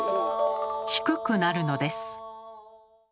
低くなるのです。